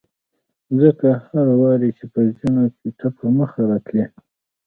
ځکه هر وار چې به په زینو کې ته په مخه راتلې.